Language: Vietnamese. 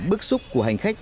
bức xúc của hành khách